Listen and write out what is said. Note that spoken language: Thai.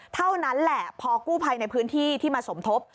เท่านั้นแหละพอกู้ภัยในพื้นที่ที่มาสมทบ